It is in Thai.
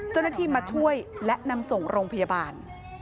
จณที่มาช่วยและนำส่งโรงพยาบาท